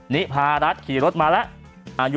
นี่ภารัสขี่รถมาละอายุ๒๗